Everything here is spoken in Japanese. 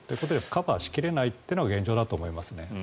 カバーし切れないというのが現状だと思いますね。